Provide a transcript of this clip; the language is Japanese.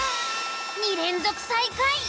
２連続最下位。